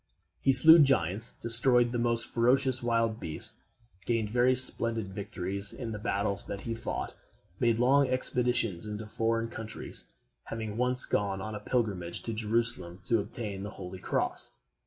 He slew giants, destroyed the most ferocious wild beasts, gained very splendid victories in the battles that he fought, made long expeditions into foreign countries, having once gone on a pilgrimage to Jerusalem to obtain the Holy Cross.